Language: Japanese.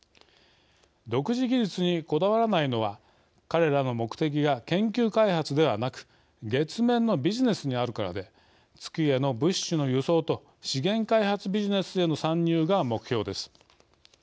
独自技術にこだわらないのは彼らの目的が研究開発ではなく月面のビジネスにあるからで月への物資の輸送と資源開発ビジネスへの参入が目標です。